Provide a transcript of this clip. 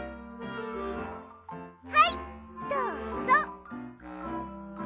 はいどうぞ！